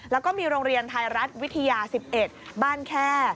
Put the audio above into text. แล้วก็มีโรงเรียนไทยรัฐวิทยา๑๑บ้านแค่